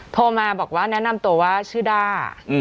โทรมาแนะนำตัวว่าชื่อด้า